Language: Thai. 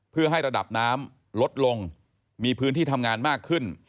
เพื่อให้ระดับน้ำลดลงมีพื้นที่ทำงานมากขึ้น